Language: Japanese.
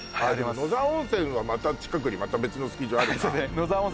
野沢温泉はまた近くにまた別のスキー場あるか野沢温泉